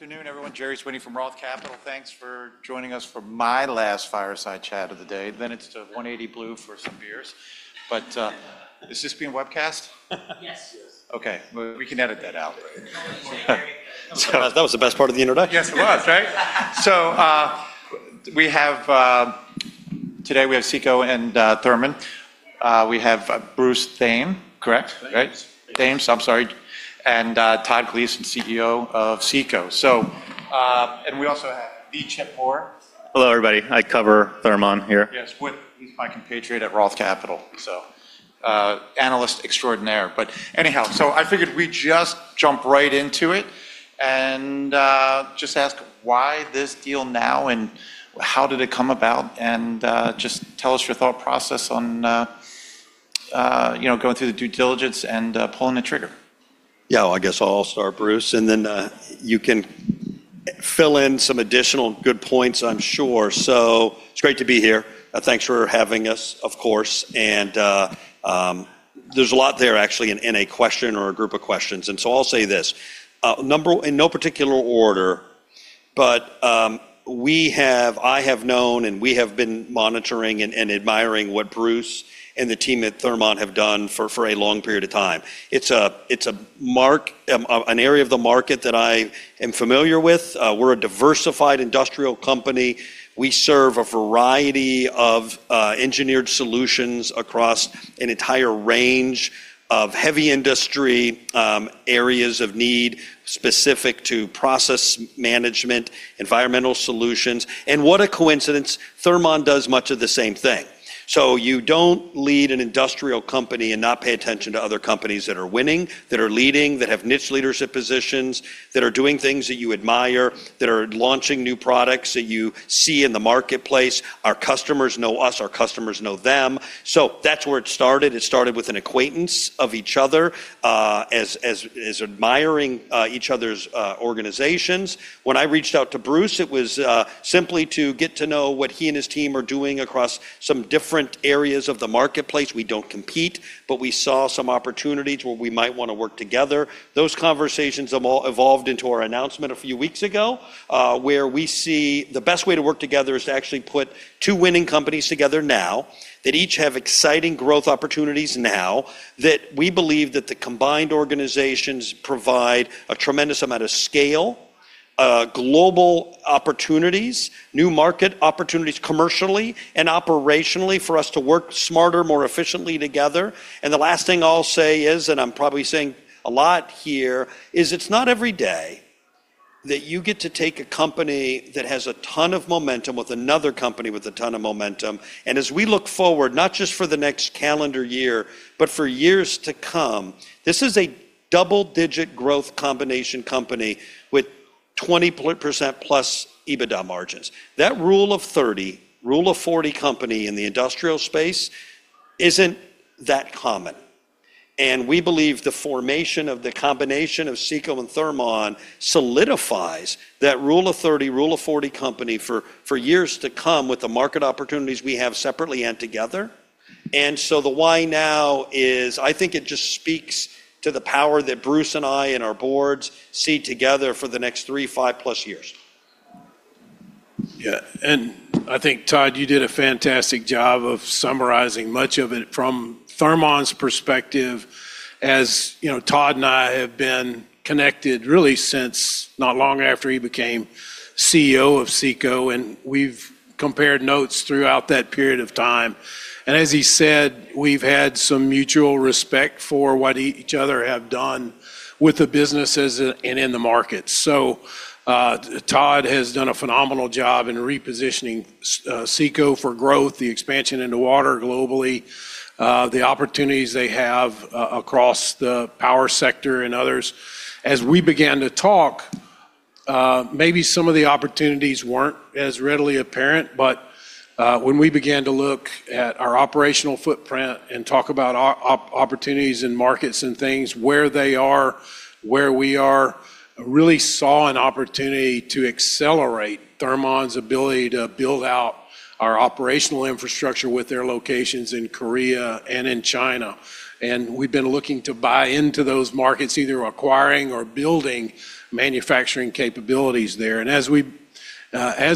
Afternoon, everyone. Gerry Sweeney from Roth Capital. Thanks for joining us for my last fireside chat of the day. It's to 180blu for some beers. Is this being webcast? Yes. Okay. Well, we can edit that out. No one's saying anything. That was the best part of the introduction. Yes, it was, right? We have today CECO and Thermon. We have Bruce Thames. Correct? Right? Thames. Thames. I'm sorry. Todd Gleason, CEO of CECO. We also have the Chip Moore. Hello, everybody. I cover Thermon here. Yes. Moore, he's my compatriot at Roth Capital. Analyst extraordinaire. Anyhow, I figured we'd just jump right into it and just ask why this deal now, and how did it come about? Just tell us your thought process on, you know, going through the due diligence and pulling the trigger. Yeah. I guess I'll start, Bruce, and then you can fill in some additional good points, I'm sure. It's great to be here. Thanks for having us, of course. There's a lot there actually in a question or a group of questions. I'll say this, number in no particular order, but we have, I have known, and we have been monitoring and admiring what Bruce and the team at Thermon have done for a long period of time. It's a mark, an area of the market that I am familiar with. We're a diversified industrial company. We serve a variety of engineered solutions across an entire range of heavy industry areas of need specific to process management, environmental solutions, and what a coincidence, Thermon does much of the same thing. You don't lead an industrial company and not pay attention to other companies that are winning, that are leading, that have niche leadership positions, that are doing things that you admire, that are launching new products that you see in the marketplace. Our customers know us. Our customers know them. That's where it started. It started with an acquaintance of each other, as admiring each other's organizations. When I reached out to Bruce, it was simply to get to know what he and his team are doing across some different areas of the marketplace. We don't compete, but we saw some opportunities where we might wanna work together. Those conversations have all evolved into our announcement a few weeks ago, where we see the best way to work together is to actually put two winning companies together now that each have exciting growth opportunities now, that we believe that the combined organizations provide a tremendous amount of scale, global opportunities, new market opportunities commercially and operationally for us to work smarter, more efficiently together. The last thing I'll say is, and I'm probably saying a lot here, is it's not every day that you get to take a company that has a ton of momentum with another company with a ton of momentum. As we look forward, not just for the next calendar year, but for years to come, this is a double-digit growth combination company with 20%+ EBITDA margins. That rule of 30, rule of 40 company in the industrial space isn't that common. We believe the formation of the combination of CECO and Thermon solidifies that rule of 30, rule of 40 company for years to come with the market opportunities we have separately and together. The why now is I think it just speaks to the power that Bruce and I and our boards see together for the next three, five+ years. Yeah. I think, Todd, you did a fantastic job of summarizing much of it from Thermon's perspective. As, you know, Todd and I have been connected really since not long after he became CEO of CECO, and we've compared notes throughout that period of time. As he said, we've had some mutual respect for what each other have done with the businesses and in the market. Todd has done a phenomenal job in repositioning CECO for growth, the expansion into water globally, the opportunities they have across the power sector and others. As we began to talk, maybe some of the opportunities weren't as readily apparent, but when we began to look at our operational footprint and talk about opportunities in markets and things, where they are, where we are, really saw an opportunity to accelerate Thermon's ability to build out our operational infrastructure with their locations in Korea and in China. We've been looking to buy into those markets, either acquiring or building manufacturing capabilities there. As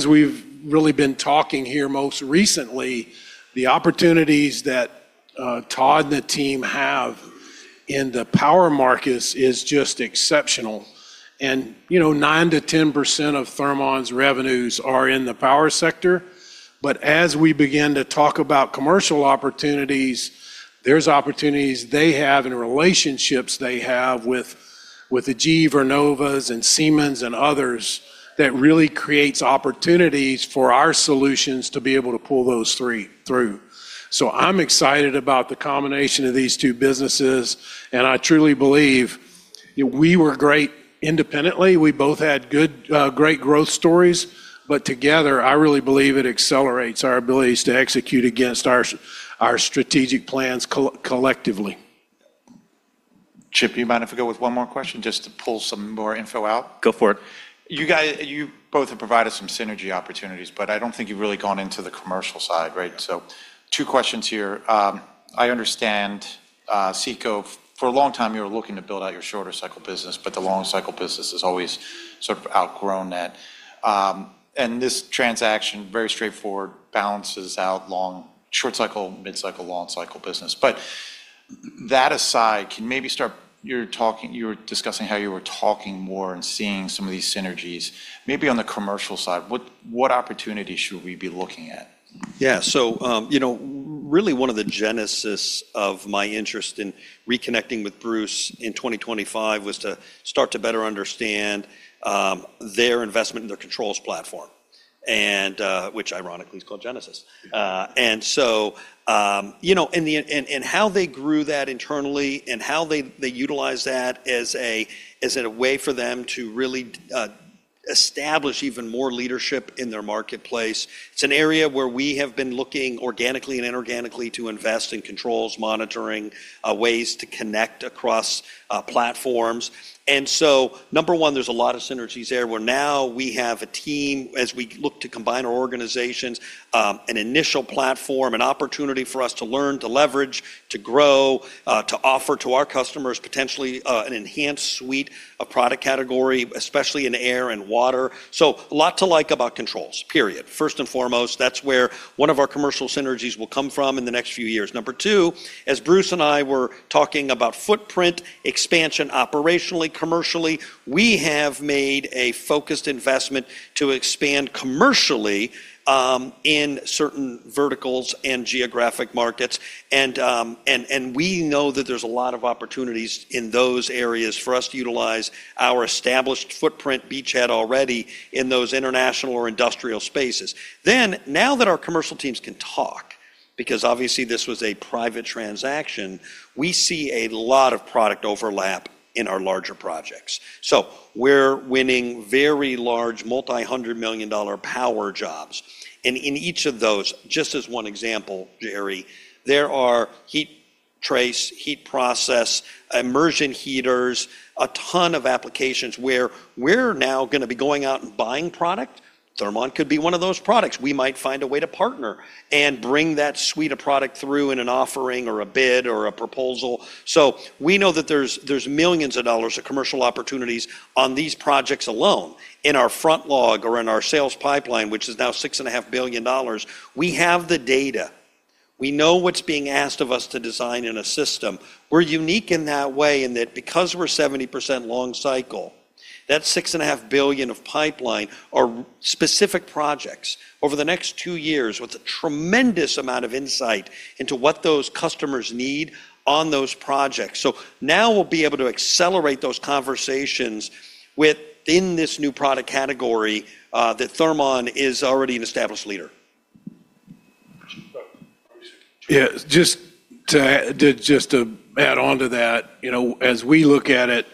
we've really been talking here most recently, the opportunities that Todd and the team have in the power markets is just exceptional. You know, 9%-10% of Thermon's revenues are in the power sector. As we begin to talk about commercial opportunities, there's opportunities they have and relationships they have with the GE Vernova and Siemens and others that really creates opportunities for our solutions to be able to pull those three through. I'm excited about the combination of these two businesses, and I truly believe we were great independently. We both had good, great growth stories, but together I really believe it accelerates our abilities to execute against our strategic plans collectively. Chip, do you mind if we go with one more question just to pull some more info out? Go for it. You both have provided some synergy opportunities, but I don't think you've really gone into the commercial side, right? Two questions here. I understand, CECO, for a long time you were looking to build out your shorter cycle business, but the long cycle business has always sort of outgrown that. This transaction, very straightforward, balances out short cycle, mid-cycle, long cycle business. But that aside, you were talking, you were discussing how you were talking more and seeing some of these synergies. Maybe on the commercial side, what opportunities should we be looking at? Yeah. You know, really one of the genesis of my interest in reconnecting with Bruce in 2025 was to start to better understand their investment in their controls platform and which ironically is called Genesis. You know how they grew that internally and how they utilize that as a way for them to really establish even more leadership in their marketplace. It's an area where we have been looking organically and inorganically to invest in controls, monitoring, ways to connect across platforms. Number one, there's a lot of synergies there where now we have a team as we look to combine our organizations, an initial platform, an opportunity for us to learn, to leverage, to grow, to offer to our customers potentially, an enhanced suite of product category, especially in air and water. A lot to like about controls, period. First and foremost, that's where one of our commercial synergies will come from in the next few years. Number two, as Bruce and I were talking about footprint expansion operationally, commercially, we have made a focused investment to expand commercially, in certain verticals and geographic markets. We know that there's a lot of opportunities in those areas for us to utilize our established footprint beachhead already in those international or industrial spaces. Now that our commercial teams can talk, because obviously this was a private transaction, we see a lot of product overlap in our larger projects. We're winning very large multi-hundred-million-dollar power jobs. In each of those, just as one example, Gerry, there are heat trace, heat process, immersion heaters, a ton of applications where we're now gonna be going out and buying product. Thermon could be one of those products. We might find a way to partner and bring that suite of product through in an offering or a bid or a proposal. We know that there's millions of dollars of commercial opportunities on these projects alone. In our backlog or in our sales pipeline, which is now $6.5 billion, we have the data. We know what's being asked of us to design in a system. We're unique in that way in that because we're 70% long cycle, that $6.5 billion of pipeline are specific projects over the next two years with a tremendous amount of insight into what those customers need on those projects. Now we'll be able to accelerate those conversations within this new product category that Thermon is already an established leader. Bruce. Yeah. Just to add on to that, you know, as we look at it,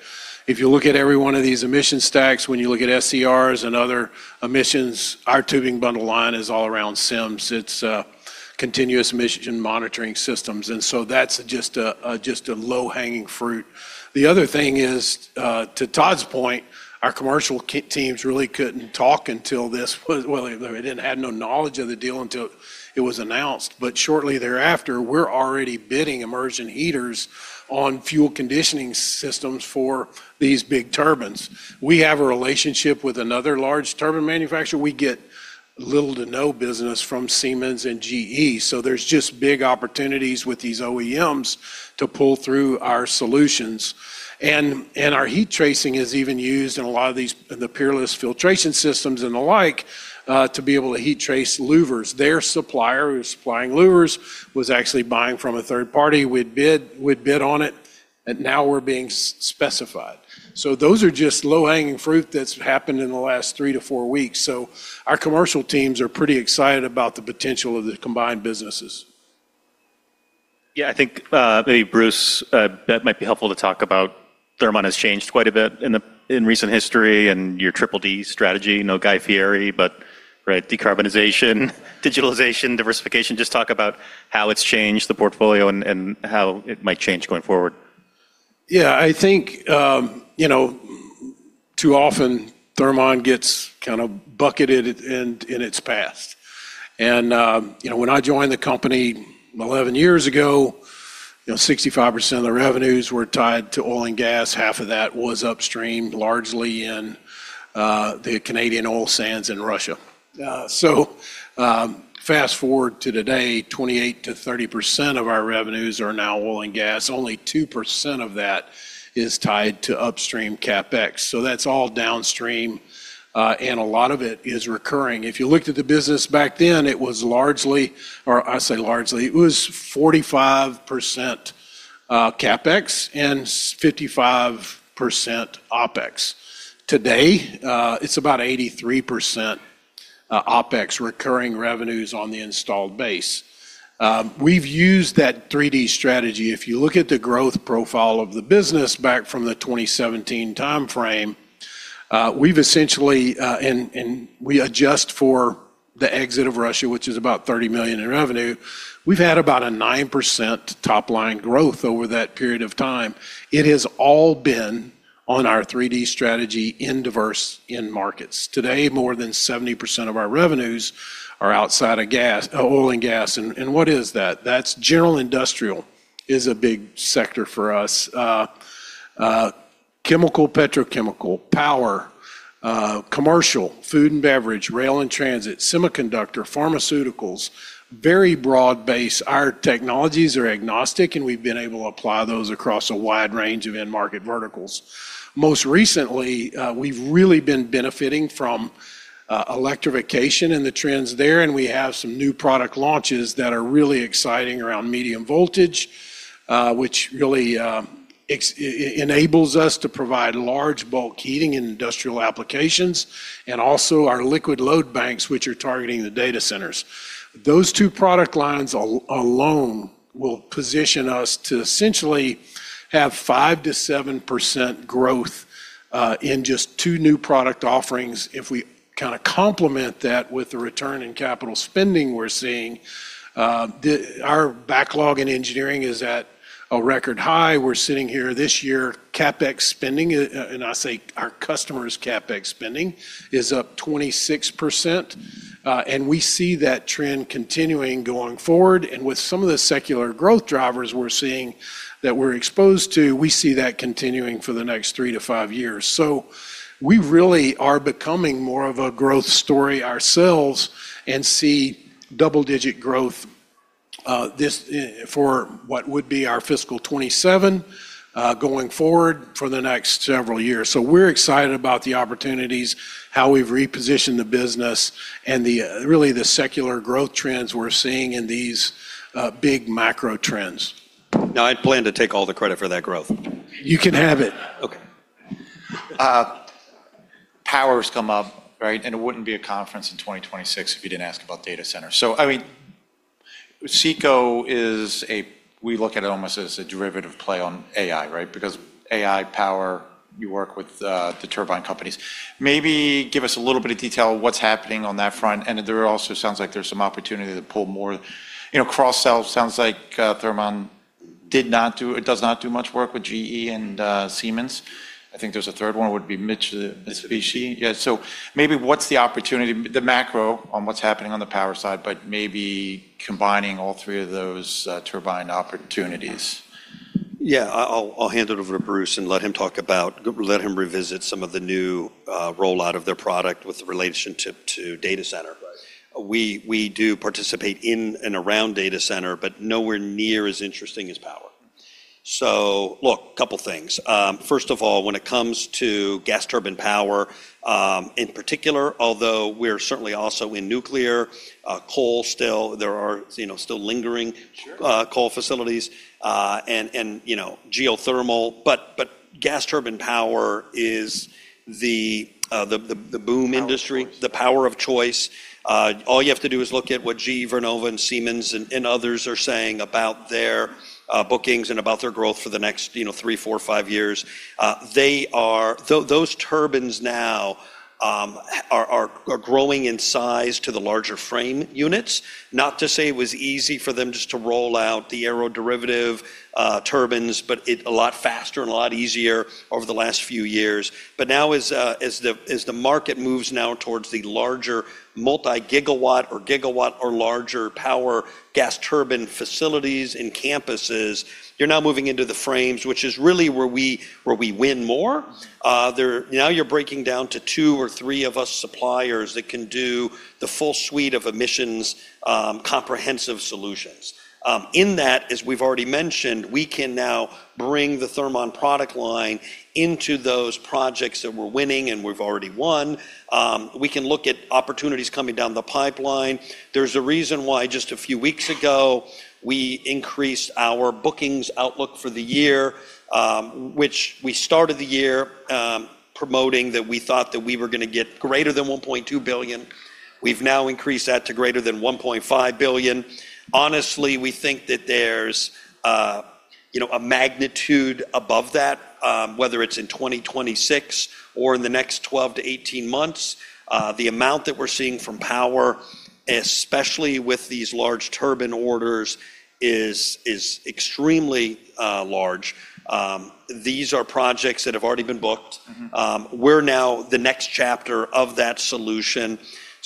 if you look at every one of these emission stacks, when you look at SCRs and other emissions, our tubing bundle line is all around CEMS. It's continuous emission monitoring systems. That's just a low-hanging fruit. The other thing is, to Todd's point, our commercial teams really couldn't talk until it was announced. Well, they didn't have no knowledge of the deal until it was announced. Shortly thereafter, we're already bidding immersion heaters on fuel conditioning systems for these big turbines. We have a relationship with another large turbine manufacturer. We get little to no business from Siemens and GE. There's just big opportunities with these OEMs to pull through our solutions. Our heat tracing is even used in a lot of these, the Peerless filtration systems and the like, to be able to heat trace louvers. Their supplier who's supplying louvers was actually buying from a third party. We'd bid on it, and now we're being specified. Those are just low-hanging fruit that's happened in the last three to four weeks. Our commercial teams are pretty excited about the potential of the combined businesses. Yeah. I think, maybe Bruce, that might be helpful to talk about Thermon has changed quite a bit in recent history and your 3D strategy. No Guy Fieri, but right, decarbonization, digitalization, diversification. Just talk about how it's changed the portfolio and how it might change going forward. Yeah. I think, you know, too often Thermon gets kind of bucketed in its past. When I joined the company 11 years ago, you know, 65% of the revenues were tied to oil and gas. Half of that was upstream, largely in the Canadian oil sands in Russia. Fast-forward to today, 28%-30% of our revenues are now oil and gas. Only 2% of that is tied to upstream CapEx. That's all downstream, and a lot of it is recurring. If you looked at the business back then, it was largely 45% CapEx and 55% OpEx. Today, it's about 83% OpEx recurring revenues on the installed base. We've used that 3D strategy. If you look at the growth profile of the business back from the 2017 timeframe, we've essentially, and we adjust for the exit of Russia, which is about $30 million in revenue, we've had about 9% top line growth over that period of time. It has all been on our 3D strategy in diverse end markets. Today, more than 70% of our revenues are outside of gas, oil and gas. What is that? That's general industrial, a big sector for us. Chemical, petrochemical, power, commercial, food and beverage, rail and transit, semiconductor, pharmaceuticals, very broad base. Our technologies are agnostic, and we've been able to apply those across a wide range of end market verticals. Most recently, we've really been benefiting from electrification and the trends there, and we have some new product launches that are really exciting around medium voltage, which really enables us to provide large bulk heating in industrial applications and also our liquid load banks which are targeting the data centers. Those two product lines alone will position us to essentially have 5%-7% growth in just two new product offerings if we kinda complement that with the upturn in capital spending we're seeing. Our backlog in engineering is at a record high. We're sitting here this year. CapEx spending, and I say our customers' CapEx spending is up 26%. We see that trend continuing going forward. With some of the secular growth drivers we're seeing that we're exposed to, we see that continuing for the next three to five years. We really are becoming more of a growth story ourselves and see double-digit growth for what would be our fiscal 2027 going forward for the next several years. We're excited about the opportunities, how we've repositioned the business, and really the secular growth trends we're seeing in these big macro trends. Now, I plan to take all the credit for that growth. You can have it. Okay. Power's come up, right? It wouldn't be a conference in 2026 if you didn't ask about data centers. I mean, CECO is we look at it almost as a derivative play on AI, right? Because AI power, you work with the turbine companies. Maybe give us a little bit of detail of what's happening on that front. There also sounds like there's some opportunity to pull more, you know, cross-sells. Sounds like Thermon it does not do much work with GE and Siemens. I think there's a third one would be Mitsubishi. Yeah. Maybe what's the opportunity, the macro on what's happening on the power side, but maybe combining all three of those turbine opportunities? Yeah. I'll hand it over to Bruce and let him revisit some of the new rollout of their product with the relationship to data center. Right. We do participate in and around data center, but nowhere near as interesting as power. Look, couple things. First of all, when it comes to gas turbine power, in particular, although we're certainly also in nuclear, coal still, there are, you know, still lingering. Sure Coal facilities, and you know, geothermal. Gas turbine power is the boom industry. Power of choice. The power of choice. All you have to do is look at what GE Vernova and Siemens and others are saying about their bookings and about their growth for the next, you know, three, four, five years. They are those turbines now are growing in size to the larger frame units. Not to say it was easy for them just to roll out the aeroderivative turbines, but a lot faster and a lot easier over the last few years. Now as the market moves now towards the larger multi-gigawatt or gigawatt or larger power gas turbine facilities and campuses, you're now moving into the frames, which is really where we win more. Now you're breaking down to two or three of us suppliers that can do the full suite of emissions, comprehensive solutions. In that, as we've already mentioned, we can now bring the Thermon product line into those projects that we're winning and we've already won. We can look at opportunities coming down the pipeline. There's a reason why just a few weeks ago, we increased our bookings outlook for the year, which we started the year promoting that we thought that we were gonna get greater than $1.2 billion. We've now increased that to greater than $1.5 billion. Honestly, we think that there's, you know, a magnitude above that, whether it's in 2026 or in the next 12-18 months. The amount that we're seeing from power, especially with these large turbine orders, is extremely large. These are projects that have already been booked. Mm-hmm. We're now the next chapter of that solution.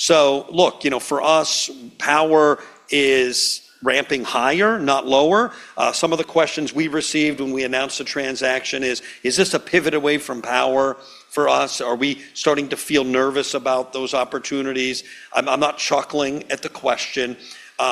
Look, you know, for us, power is ramping higher, not lower. Some of the questions we received when we announced the transaction is this a pivot away from power for us? Are we starting to feel nervous about those opportunities? I'm not chuckling at the question,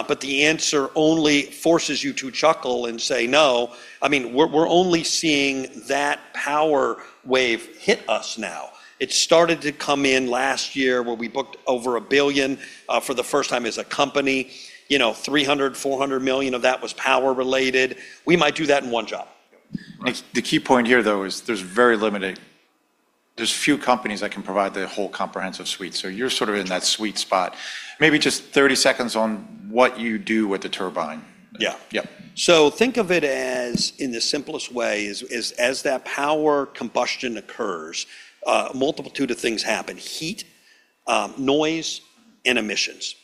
but the answer only forces you to chuckle and say no. I mean, we're only seeing that power wave hit us now. It started to come in last year where we booked over $1 billion for the first time as a company. You know, $300 million-$400 million of that was power related. We might do that in one job. The key point here, though, is there's few companies that can provide the whole comprehensive suite. You're sort of in that sweet spot. Maybe just 30 seconds on what you do with the turbine. Yeah. Yeah. Think of it as, in the simplest way, as that power combustion occurs, a multitude of things happen. Heat, noise and emissions.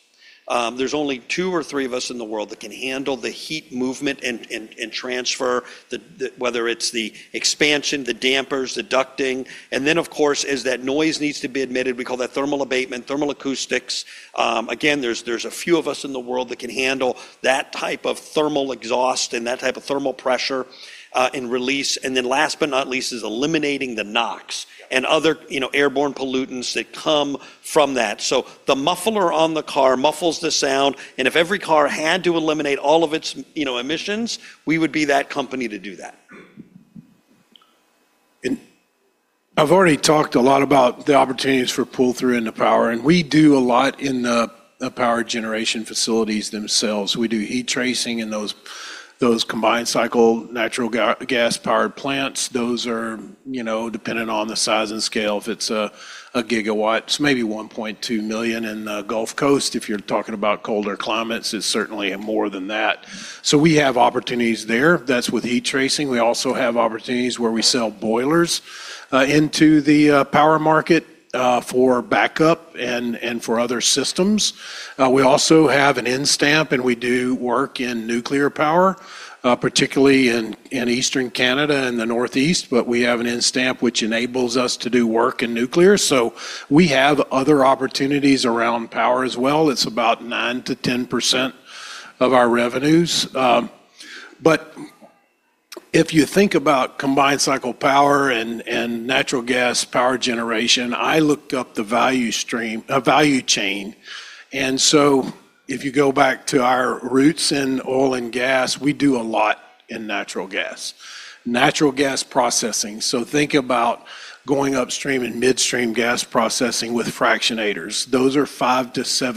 There are only two or three of us in the world that can handle the heat movement and transfer the—whether it's the expansion, the dampers, the ducting. Then of course, as that noise needs to be attenuated, we call that thermal abatement, thermoacoustics. Again, there are a few of us in the world that can handle that type of thermal exhaust and that type of thermal pressure and release. Then last but not least is eliminating the NOx and other, you know, airborne pollutants that come from that. The muffler on the car muffles the sound, and if every car had to eliminate all of its, you know, emissions, we would be that company to do that. I've already talked a lot about the opportunities for pull-through into power, and we do a lot in the power generation facilities themselves. We do heat tracing in those combined cycle natural gas-powered plants. Those are, you know, dependent on the size and scale. If it's a gigawatt, it's maybe $1.2 million. In the Gulf Coast, if you're talking about colder climates, it's certainly more than that. We have opportunities there. That's with heat tracing. We also have opportunities where we sell boilers into the power market for backup and for other systems. We also have an N-Stamp, and we do work in nuclear power, particularly in Eastern Canada and the Northeast. We have an N-Stamp which enables us to do work in nuclear. We have other opportunities around power as well. It's about 9%-10% of our revenues. If you think about combined cycle power and natural gas power generation, I looked up the value chain. If you go back to our roots in oil and gas, we do a lot in natural gas. Natural gas processing, so think about going upstream and midstream gas processing with fractionators. Those are $5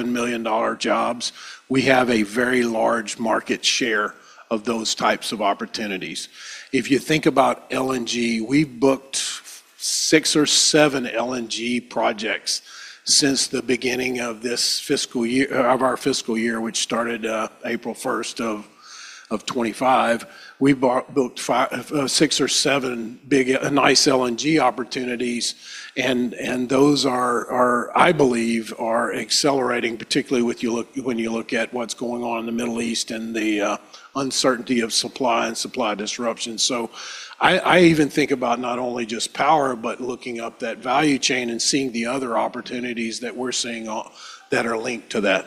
million-$7 million jobs. We have a very large market share of those types of opportunities. If you think about LNG, we've booked six or seven LNG projects since the beginning of our fiscal year, which started April 1st of 2025. We booked six or seven big, nice LNG opportunities, and those are, I believe, accelerating, particularly when you look at what's going on in the Middle East and the uncertainty of supply and supply disruption. I even think about not only just power, but looking up that value chain and seeing the other opportunities that we're seeing that are linked to that.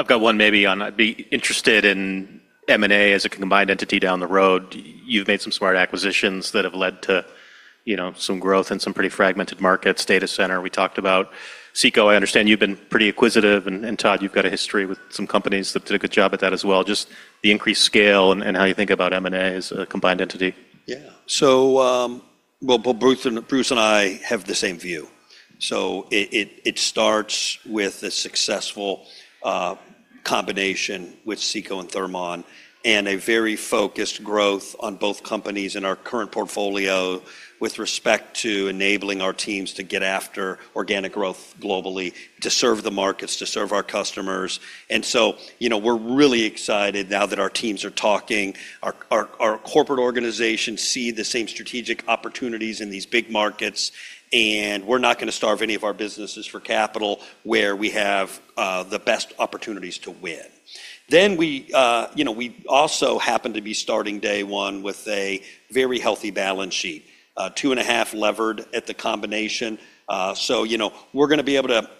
I've got one maybe on, I'd be interested in M&A as a combined entity down the road. You've made some smart acquisitions that have led to, you know, some growth in some pretty fragmented markets. Data center we talked about. CECO, I understand you've been pretty acquisitive, and Todd, you've got a history with some companies that did a good job at that as well. Just the increased scale and how you think about M&A as a combined entity? Yeah. Well, Bruce and I have the same view. It starts with a successful combination with CECO and Thermon and a very focused growth on both companies in our current portfolio with respect to enabling our teams to get after organic growth globally to serve the markets, to serve our customers. You know, we're really excited now that our teams are talking. Our corporate organizations see the same strategic opportunities in these big markets, and we're not gonna starve any of our businesses for capital where we have the best opportunities to win. You know, we also happen to be starting day one with a very healthy balance sheet, 2.5 levered at the combination. You know, we're gonna be able to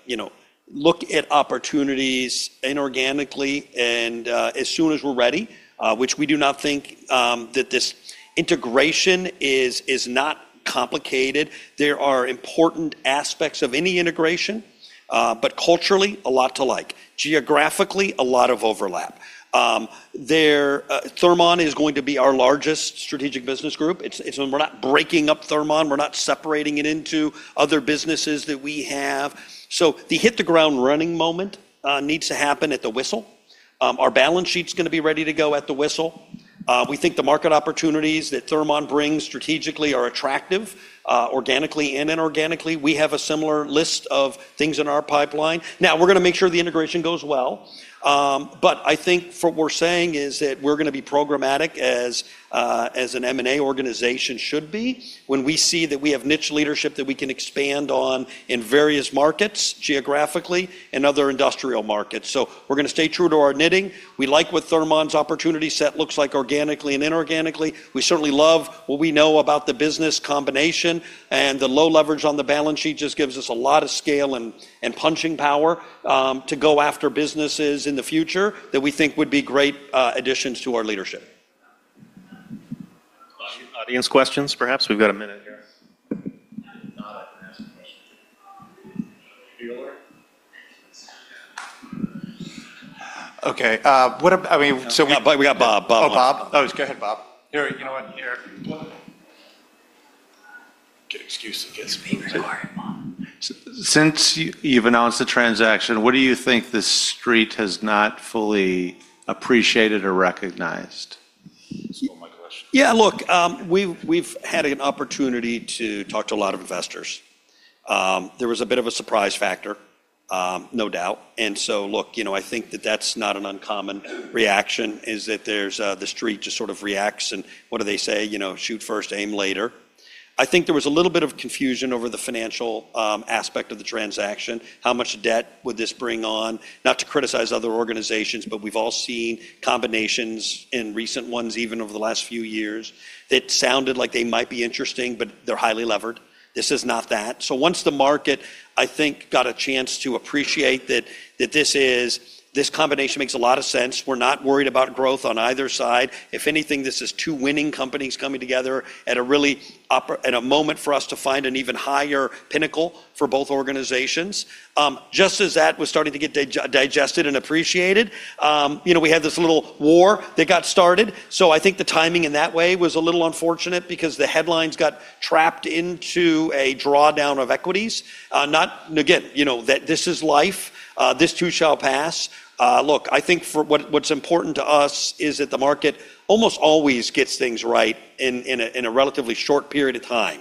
look at opportunities inorganically and as soon as we're ready, which we do not think that this integration is not complicated. There are important aspects of any integration, but culturally, a lot to like. Geographically, a lot of overlap. Their Thermon is going to be our largest strategic business group. It's. We're not breaking up Thermon. We're not separating it into other businesses that we have. The hit the ground running moment needs to happen at the whistle. Our balance sheet's gonna be ready to go at the whistle. We think the market opportunities that Thermon brings strategically are attractive, organically and inorganically. We have a similar list of things in our pipeline. Now, we're gonna make sure the integration goes well. I think what we're saying is that we're gonna be programmatic as an M&A organization should be when we see that we have niche leadership that we can expand on in various markets geographically and other industrial markets. We're gonna stay true to our knitting. We like what Thermon's opportunity set looks like organically and inorganically. We certainly love what we know about the business combination, and the low leverage on the balance sheet just gives us a lot of scale and punching power to go after businesses in the future that we think would be great additions to our leadership. Audience questions perhaps. We've got a minute. Yes. If not, I can ask some questions. Do you want to? Okay. I mean, so we We got Bob. Bob wanted. Oh, Bob? Oh, go ahead, Bob. Here, you know what? Here. Good excuse to get some water. It's being recorded, Bob. Since you've announced the transaction, what do you think this street has not fully appreciated or recognized? Steal my question. Yeah, look, we've had an opportunity to talk to a lot of investors. There was a bit of a surprise factor, no doubt. Look, you know, I think that that's not an uncommon reaction, is that there's the street just sort of reacts and what do they say? You know, shoot first, aim later. I think there was a little bit of confusion over the financial aspect of the transaction. How much debt would this bring on? Not to criticize other organizations, but we've all seen combinations in recent ones, even over the last few years, that sounded like they might be interesting, but they're highly levered. This is not that. Once the market, I think, got a chance to appreciate that this combination makes a lot of sense. We're not worried about growth on either side. If anything, this is two winning companies coming together at a really at a moment for us to find an even higher pinnacle for both organizations. Just as that was starting to get digested and appreciated, you know, we had this little war that got started. I think the timing in that way was a little unfortunate because the headlines got trapped into a drawdown of equities. Again, you know, that this is life. This too shall pass. Look, I think what's important to us is that the market almost always gets things right in a relatively short period of time.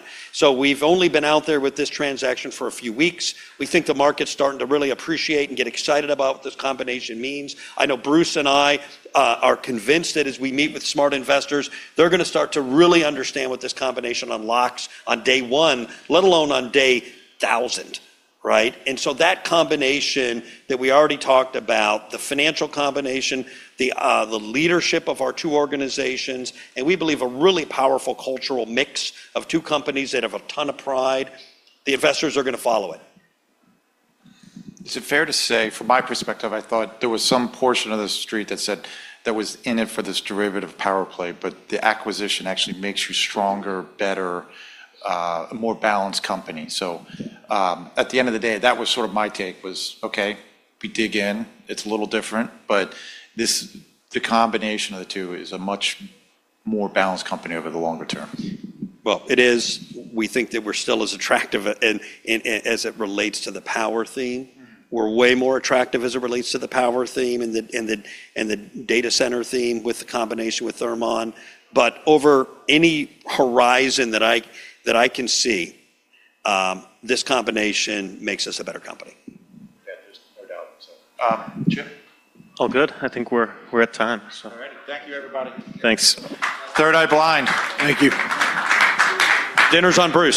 We've only been out there with this transaction for a few weeks. We think the market's starting to really appreciate and get excited about what this combination means. I know Bruce and I are convinced that as we meet with smart investors, they're gonna start to really understand what this combination unlocks on day one, let alone on day thousand, right? That combination that we already talked about, the financial combination, the leadership of our two organizations, and we believe a really powerful cultural mix of two companies that have a ton of pride, the investors are gonna follow it. Is it fair to say, from my perspective, I thought there was some portion of the street that said that was in it for this aeroderivative power play, but the acquisition actually makes you stronger, better, a more balanced company. At the end of the day, that was sort of my take, okay, we dig in, it's a little different, but this, the combination of the two is a much more balanced company over the longer term. Well, it is. We think that we're still as attractive as it relates to the power theme. Mm-hmm. We're way more attractive as it relates to the power theme and the data center theme with the combination with Thermon. Over any horizon that I can see, this combination makes us a better company. Yeah, there's no doubt. Chip? All good. I think we're at time, so. All right. Thank you, everybody. Thanks. Third Eye Blind. Thank you. Dinner's on Bruce.